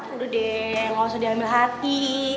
aduh deh gak usah diambil hati